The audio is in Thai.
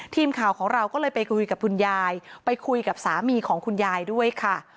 ทีมข่าวของเราก็เลยไปคุยกับคุณยายไปคุยกับสามีของคุณยายด้วยค่ะ